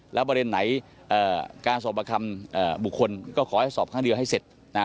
แล้วประเด็นไหนการสอบประคำบุคคลก็ขอให้สอบข้างเดียวให้เสร็จนะฮะ